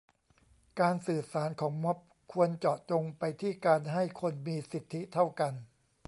การสื่อสารของม็อบควรเจาะจงไปที่การให้คนมีสิทธิเท่ากัน